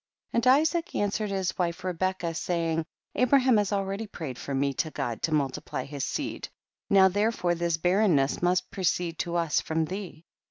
4. And Isaac answered his wife Rebecca, saying, Abraham has al ready prayed for me to God to mul tiply his seed, now therefore tiiis barrenness must proceed to us from thee.